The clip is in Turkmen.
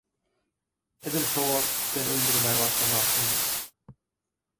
Edil şol wagt seni öldürmäne başlan wagtymdy.